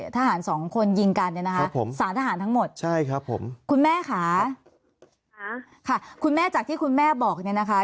ทหารทั้งหมดใช่ครับผมคุณแม่ค่ะค่ะคุณแม่จากที่คุณแม่บอกเนี่ยนะคะ